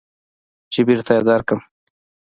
چې بېرته يې درکم.